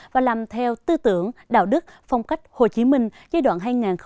và làm theo tư tưởng đạo đức phong cách hồ chí minh giai đoạn hai nghìn hai mươi một hai nghìn hai mươi bốn